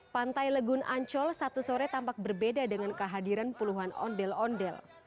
pantai legun ancol sabtu sore tampak berbeda dengan kehadiran puluhan ondel ondel